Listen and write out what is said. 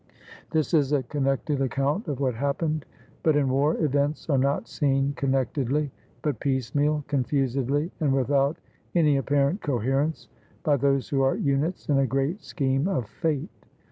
This is a connected account of what happened. But in war events are not seen connectedly, but piecemeal, confusedly, and without any apparent coherence, by those who are units in a great scheme of fate.